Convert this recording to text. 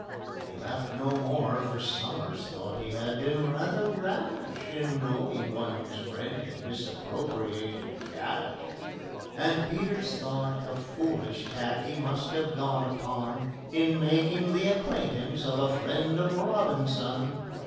They laughed no more, for SOMERS thought he had been rather rash In knowing one whose friend had misappropriated cash; And PETER thought a foolish tack he must have gone upon In making the acquaintance of a friend of ROBINSON.